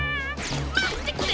まってくれ！